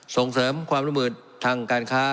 ส่งเสริมความร่วมมือทางการค้า